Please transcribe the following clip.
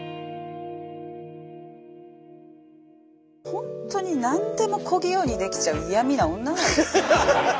ほんとに何でも小器用にできちゃう嫌みな女なんです。